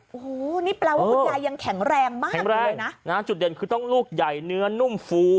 โอ้โหนี่แปลว่าคุณยายยังแข็งแรงมากแข็งแรงนะนะจุดเด่นคือต้องลูกใหญ่เนื้อนุ่มฟู